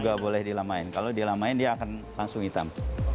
nggak boleh dilamain kalau dilamain dia akan langsung hitam